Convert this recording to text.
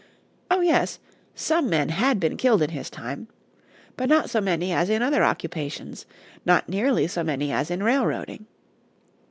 Oh, yes; some men had been killed in his time, but not so many as in other occupations not nearly so many as in railroading.